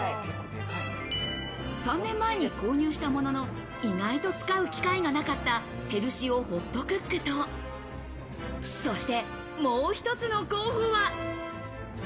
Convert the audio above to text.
３年前に購入したものの、意外と使う機会がなかったヘルシオホットクックと、そして、もう一つの候補は。